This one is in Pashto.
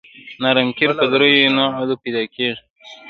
نرم قیر په دریو نوعو پیدا کیږي